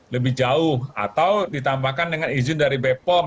lebih jauh atau ditambahkan dengan izin dari bepom